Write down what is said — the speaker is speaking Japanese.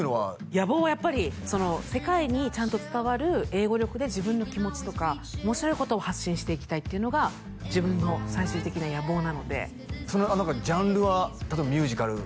野望はやっぱり世界にちゃんと伝わる英語力で自分の気持ちとか面白いことを発信していきたいっていうのが自分の最終的な野望なのでそのジャンルは例えばミュージカル？